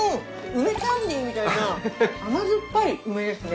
梅キャンディーみたいな甘酸っぱい梅ですね。